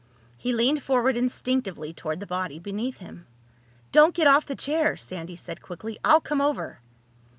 He leaned forward instinctively toward the body beneath him. "Don't get off the chair!" Sandy said quickly. "I'll come over."